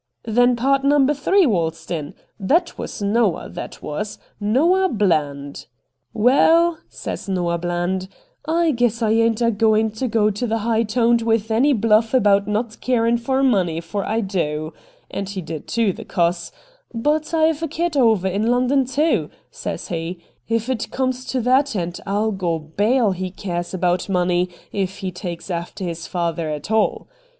' Then pard number three waltzed in. That was Noah, that was — Noah Bland.' '" Waal," says Noah Bland, " I guess I ain't a goin' to go the high toned with any bluff about not carin' for money, for I do "— and he did too, the cuss —" but I've a kid over in London too," says he, " if it comes to that, and I'll go bail he cares about money, if he takes after his father at all."